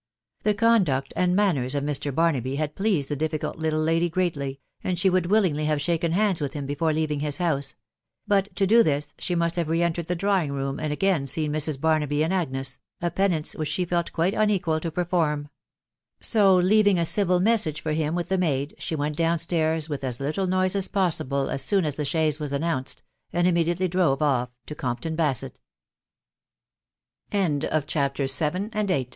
The conduct and manners of Mr. Barnaby had pleased the difficult little lady greatly, and she would willingly have Bhaken hands with him before leaving his house ; but to do this she must have re entered the drawing room, and again seen Mrs. Barnaby and Agnes, a penance which she felt quite unequal to perform ; so, leaving a civil message for him with the maid, she went down stairs with as little noise as possible as soon as the chaise was annou